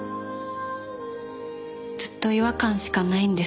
ずっと違和感しかないんです。